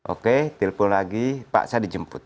oke telepon lagi pak saya dijemput